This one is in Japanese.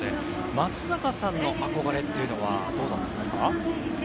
松坂さんの憧れはどうだったんですか？